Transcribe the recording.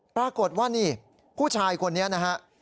ปรากฏว่านี่ผู้ชายคนนี้นะฮะ